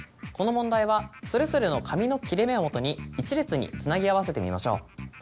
この問題はそれぞれの紙の切れ目をもとに１列につなぎ合わせてみましょう。